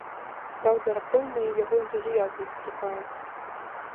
Праўда, раптоўна і яго энтузіязм затухае.